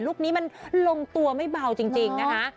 คนี้มันลงตัวไม่เบาจริงนะคะ